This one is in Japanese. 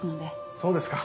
そうですか。